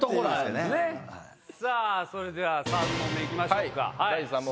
それでは３問目行きましょう。